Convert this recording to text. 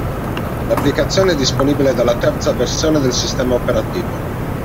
L'applicazione è disponibile dalla terza versione del sistema operativo.